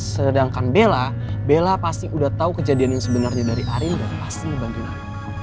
sedangkan bella bella pasti udah tau kejadian yang sebenarnya dari arin dan pasti ngebantuin arin